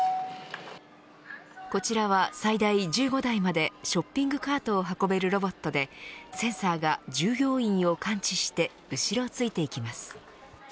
こちらは最大１５台までショッピングカートを運べるロボットでセンサーが従業員を感知して後ろをついていきます。